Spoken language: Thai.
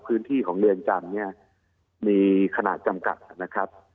พื้นที่ของเรือนจำเนี่ยมีขนาดจำกัดนะครับ